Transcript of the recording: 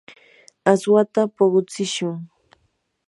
aswata puqutsishun.